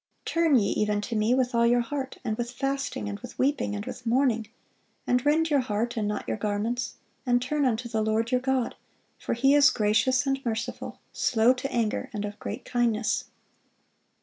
"Turn ye even to Me with all your heart, and with fasting, and with weeping, and with mourning: and rend your heart, and not your garments, and turn unto the Lord your God: for He is gracious and merciful, slow to anger, and of great kindness."